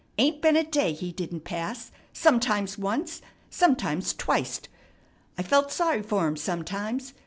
Ain't been a day he didn't pass, sometimes once, sometimes twicet. I felt sorry fer him sometimes.